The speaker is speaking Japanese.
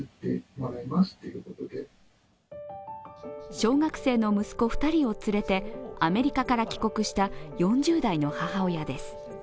小学生の息子２人を連れてアメリカから帰国した４０代の母親です。